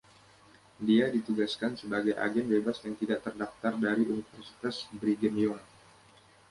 Dia ditugaskan sebagai agen bebas yang tidak terdaftar dari Universitas Brigham Young.